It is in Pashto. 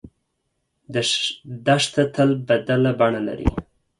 دښته تل بدله بڼه لري.